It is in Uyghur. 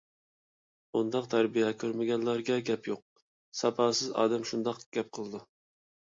ئۇنداق تەربىيە كۆرمىگەنلەرگە گەپ يوق. ساپاسىز ئادەم شۇنداق گەپ قىلىدۇ.